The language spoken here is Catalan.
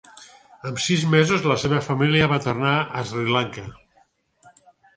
Amb sis mesos la seva família va tornar a Sri Lanka.